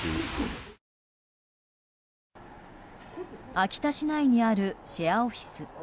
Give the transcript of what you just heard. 秋田市内にあるシェアオフィス。